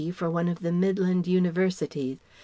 for one of the Midland Universities.